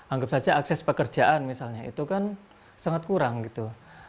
anggap saja akses pekerjaan misalnya itu kan sangat kurang gitu